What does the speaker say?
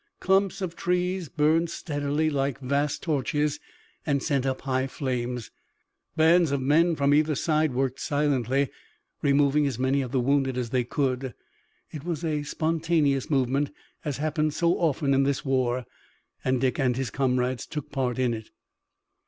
Clumps of trees burnt steadily like vast torches and sent up high flames. Bands of men from either side worked silently, removing as many of the wounded as they could. It was a spontaneous movement, as happened so often in this war, and Dick and his comrades took a part in it.